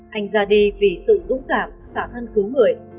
hành gia đi vì sự dũng cảm xả thân cứu người